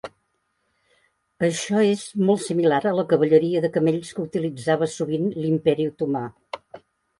Això és molt similar a la cavalleria de camells que utilitzava sovint l'Imperi Otomà.